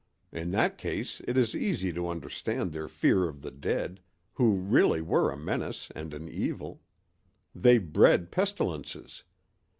In that case it is easy to understand their fear of the dead, who really were a menace and an evil. They bred pestilences.